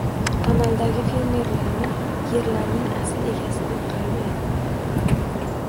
— amaldagi fermerlarni yerlarning asl egasi deb qaramaydi